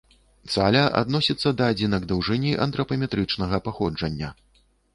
Цаля адносіцца да адзінак даўжыні антрапаметрычнага паходжання.